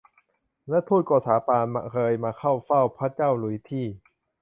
และฑูตโกษาปานเคยมาเข้าเฝ้าพระเจ้าหลุยส์ที่